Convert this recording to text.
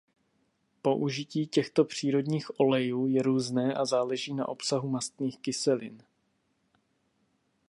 Použití těchto přírodních olejů je různé a záleží na obsahu mastných kyselin.